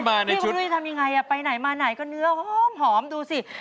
นี่วอรี่ทำยังไงไปไหนมาไหนก็เนื้อหอมดูสิ